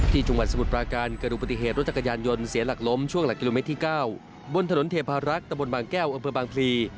จังหวัดสมุทรปราการเกิดดูปฏิเหตุรถจักรยานยนต์เสียหลักล้มช่วงหลักกิโลเมตรที่๙บนถนนเทพารักษ์ตะบนบางแก้วอำเภอบางพลี